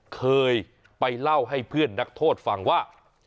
เคยไปเล่าให้เพื่อนนักโทษฟังว่า